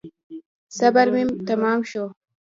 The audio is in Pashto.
صبر مي تمام شو .